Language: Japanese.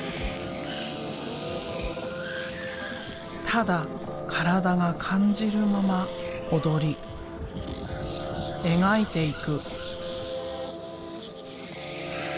ただ体が感じるまま踊り描いていく。